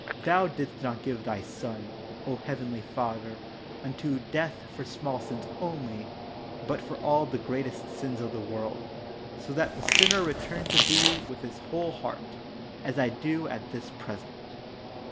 Thou didst not give Thy Son, O heavenly Father, unto death for small sins only, but for all the greatest sins of the world, so that the sinner return to Thee with his whole heart, as I do at this present.